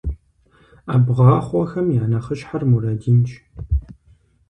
Ӏэбгъахъуэхэм я нэхъыщхьэр Мурадинщ.